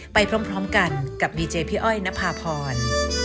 ไปพร้อมกันกับดีเจพี่อ้อยนภาพร